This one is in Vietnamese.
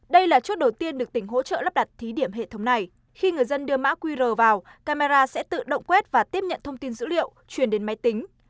đây là chốt đầu tiên được tỉnh hỗ trợ lắp đặt thí điểm hệ thống này khi người dân đưa mã qr vào camera sẽ tự động quét và tiếp nhận thông tin dữ liệu chuyển đến máy tính